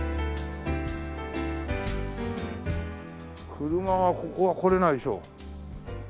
車がここは来れないでしょ。